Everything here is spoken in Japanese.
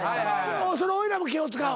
それおいらも気を使う。